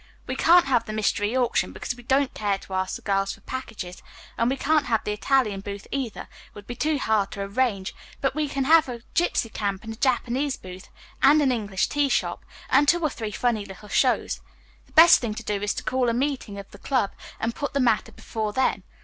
"We can't have the Mystery Auction, because we don't care to ask the girls for packages, and we can't have the Italian booth, either, it would be too hard to arrange, but we can have a gypsy camp and a Japanese booth and an English tea shop and two or three funny little shows. The best thing to do is to call a meeting of the club and put the matter before them.